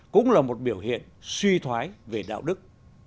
cũng là một biểu hiện suy thoái về đạo đức